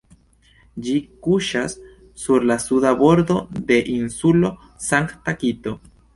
Ĝi kuŝas sur la suda bordo de Insulo Sankta-Kito.